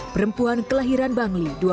perempuan kelahiran bangli